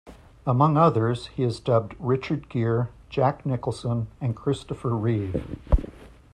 Among others he has dubbed Richard Gere, Jack Nicholson and Christopher Reeve.